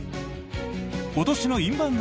今年のインバウンド